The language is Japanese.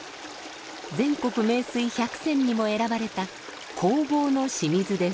全国名水百選にも選ばれた弘法の清水です。